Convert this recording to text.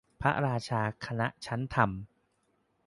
พระราชาคณะชั้นธรรม